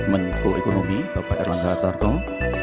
menko ekonomi bapak erlangga hartarto